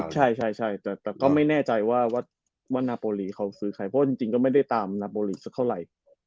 ใช่แต่ก็ไม่แน่ใจว่านาโปรลีเขาซื้อใครเพราะจริงก็ไม่ได้ตามนาโปรลีกสักเท่าไหร่